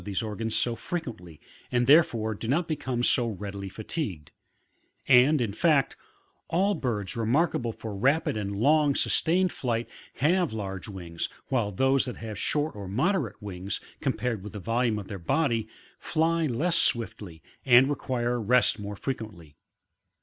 these organs so frequently, and therefore do not become so readily fatigued: and, in fact, all birds remarkable foir rapid and long sustained flight have large wings, while those that have short or moderate wiiigs, compared with the volume of their body, fly less swiftly and require rest more frequently.